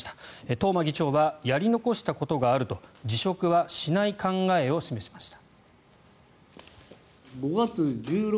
東間議長はやり残したことがあると辞職はしない考えを示しました。